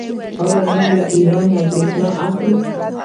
آیا موږ له ایران بریښنا اخلو؟